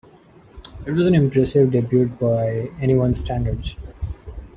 It was an impressive debut by anyone's standards.